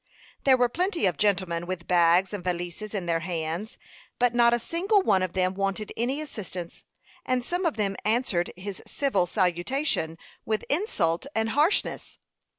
There were plenty of gentlemen with bags and valises in their hands, but not a single one of them wanted any assistance; and some of them answered his civil salutation with insult and harshness.